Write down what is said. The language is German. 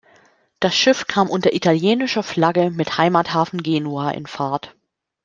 Das Schiff kam unter italienischer Flagge mit Heimathafen Genua in Fahrt.